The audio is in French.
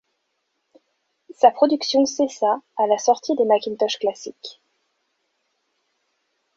Sa production cessa à la sortie des Macintosh Classic.